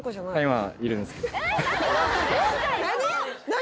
何？